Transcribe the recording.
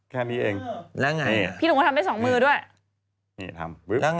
เขาทำกันคุณแม่ก็ต้องทำนิดนึง